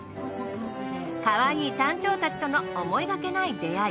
かわいいタンチョウたちとの思いがけない出会い。